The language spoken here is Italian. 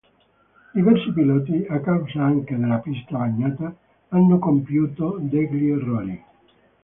Diversi piloti, a causa anche della pista bagnata, hanno compiuto degli errori.